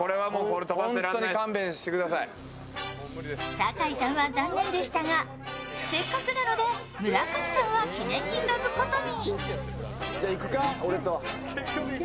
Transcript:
酒井さんは残念でしたがせっかくなので村上さんは記念に飛ぶことに。